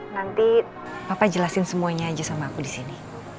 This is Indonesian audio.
nanti papa jelasin semuanya aja sama aku disini